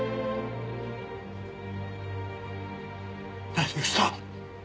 何をした？